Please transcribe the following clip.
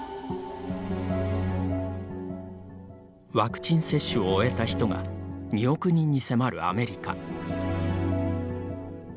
ワクチン接種を終えた人が２億人に迫るアメリカ。